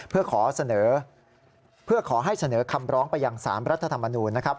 เพื่อขอให้เสนอคำร้องประยัง๓รัฐธรรมนูญนะครับ